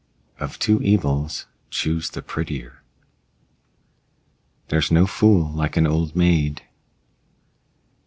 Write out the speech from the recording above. Of two evils, choose the prettier. There's no fool like an old maid.